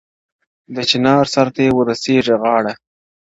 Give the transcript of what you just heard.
د چینار سر ته یې ورسیږي غاړه-